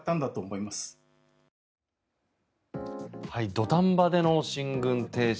土壇場での進軍停止。